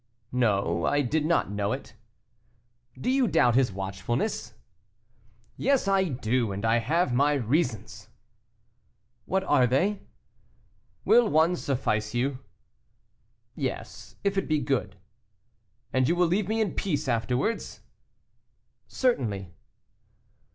"No; I did not know it." "Do you doubt his watchfulness?" "Yes, I do, and I have my reasons." "What are they?" "Will one suffice you?" "Yes, if it be good." "And you will leave me in peace afterwards?" "Certainly."